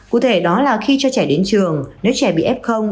cụ thể đó là khi cho trẻ đến trường nếu trẻ bị ép không